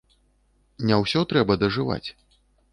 Не ўсё трэба дажываць.